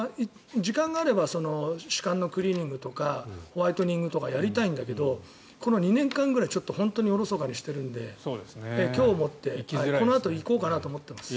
時間があれば歯間のクリーニングとかホワイトニングとかやりたいんだけどこの２年間ぐらいおろそかにしているので今日をもって、このあと行こうかなと思っています。